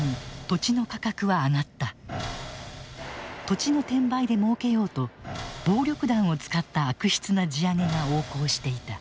土地の転売でもうけようと暴力団を使った悪質な地上げが横行していた。